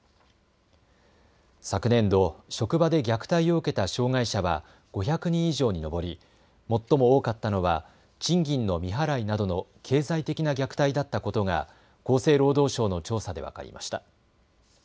昨年度、職場で虐待を受けた障害者は５００人以上に上り最も多かったのは賃金の未払いなどの経済的な虐待だったことが厚生労働省の調査で分かりました。